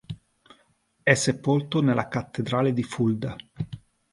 È sepolto nella cattedrale di Fulda.